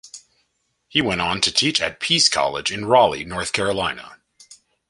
He went on to teach at Peace College in Raleigh, North Carolina.